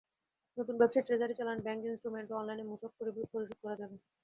নতুন ব্যবস্থায় ট্রেজারি চালান, ব্যাংক ইন্সট্রুমেন্ট এবং অনলাইনে মূসক পরিশোধ করা যাবে।